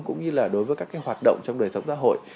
cũng như là đối với các cái hoạt động trong đời sống xã hội